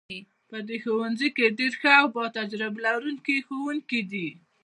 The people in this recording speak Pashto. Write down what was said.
په دې ښوونځي کې ډیر ښه او تجربه لرونکي ښوونکي دي